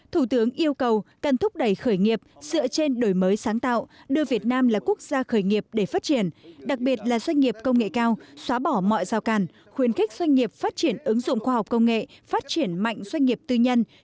thủ tướng yêu cầu cần thúc đẩy khởi nghiệp dựa trên đổi mới sáng tạo đưa việt nam là quốc gia khởi nghiệp để phát triển đặc biệt là doanh nghiệp công nghệ cao xóa bỏ mọi giao càn khuyến khích doanh nghiệp phát triển ứng dụng khoa học công nghệ phát triển mạnh doanh nghiệp tư nhân